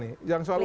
ini yang utama nih